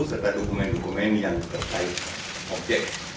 serta dokumen dokumen yang terkait objek